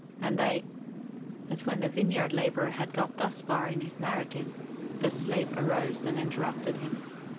And they——" But when the vineyard laborer had got thus far in his narrative, the slave arose and interrupted him.